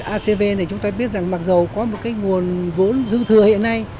acv này chúng ta biết rằng mặc dù có một cái nguồn vốn dư thừa hiện nay